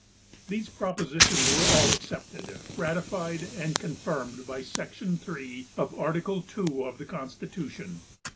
These propositions were all accepted, ratified and confirmed by section 3 of Article II. of the constitution.